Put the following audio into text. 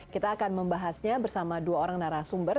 kita akan membahasnya bersama dua orang narasumber